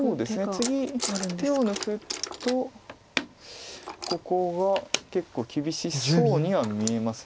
次手を抜くとここが結構厳しそうには見えます。